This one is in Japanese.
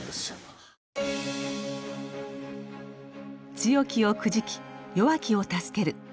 「強きをくじき弱きを助ける」。